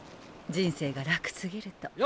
人生が楽すぎると。